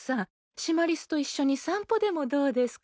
シマリスと一緒に散歩でもどうですか？